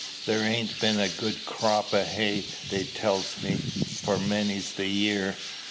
There 'ain't been a good crop o' hay, they tells me, for many's the year.